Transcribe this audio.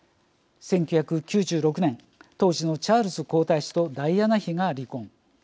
１９９６年当時のチャールズ皇太子とダイアナ妃が離婚。